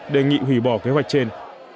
đề nghị hủy bỏ kế hoạch trên